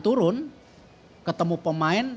turun ketemu pemain